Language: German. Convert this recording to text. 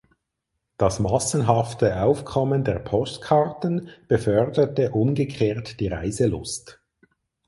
Das massenhafte Aufkommen der Postkarten beförderte umgekehrt die Reiselust.